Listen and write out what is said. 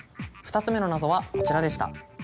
２つ目の謎はこちらでした。